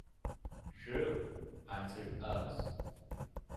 "True," answered Oz.